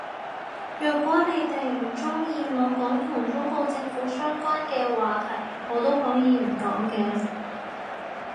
若果你哋唔鍾意我講同中國政府相關嘅話題我都可以唔講嘅